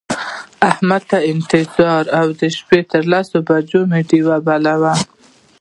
احمد ته انتظار و د شپې تر لسو بجو مو ډېوې بلې وې.